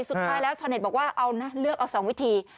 สุดท้ายแล้วชาวเน็ตบอกว่าเอานะเลือกเอา๒วิธี